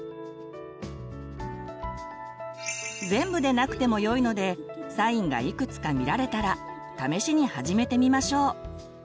全部でなくてもよいのでサインがいくつか見られたら試しに始めてみましょう。